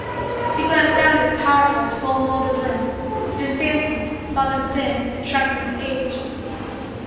He glanced down at his powerful, full moulded limbs, and, in fancy, saw them thin and shrunken with age.